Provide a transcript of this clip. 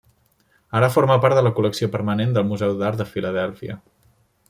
Ara forma part de la col·lecció permanent del Museu d'Art de Filadèlfia.